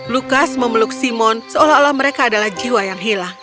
lukas memeluk simon seolah olah mereka adalah jiwa yang hilang